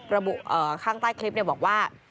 ระบุข้างใต้คลิปเนี่ยบอกว่า